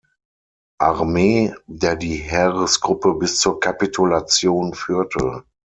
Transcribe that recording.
Armee, der die Heeresgruppe bis zur Kapitulation führte.